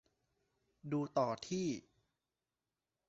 ดูต่อที่